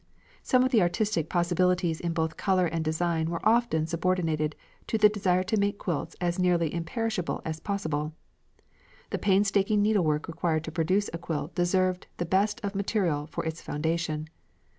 Some of the artistic possibilities in both colour and design were often subordinated to the desire to make quilts as nearly imperishable as possible. The painstaking needlework required to produce a quilt deserved the best of material for its foundation.